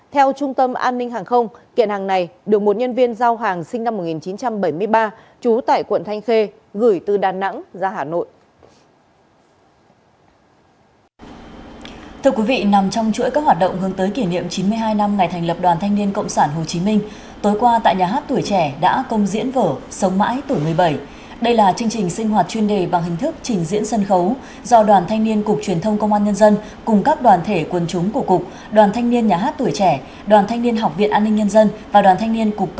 theo trung tâm an ninh hàng không kiện hàng này được một nhân viên giao hàng sinh năm một nghìn chín trăm bảy mươi ba trú tại quận thanh khê gửi từ đà nẵng